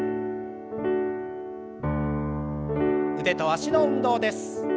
腕と脚の運動です。